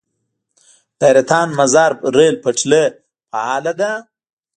د حیرتان - مزار ریل پټلۍ فعاله ده؟